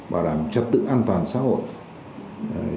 bảo đảm trật tự an toàn xã hội